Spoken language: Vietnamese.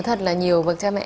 thật là nhiều bậc cha mẹ